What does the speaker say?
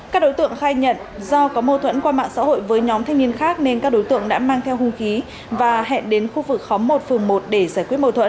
các đối tượng khai nhận do có mâu thuẫn qua mạng xã hội với nhóm thanh niên khác nên các đối tượng đã mang theo hung khí và hẹn đến khu vực khóm một phường một để giải quyết mâu thuẫn